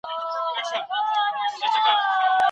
ايا انلاين زده کړه زده کوونکو ته له کوره د درس فرصت برابروي؟